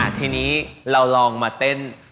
ทีนี้เราลองมาเต้น